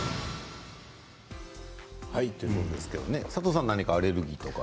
佐藤さん何かアレルギーとかは。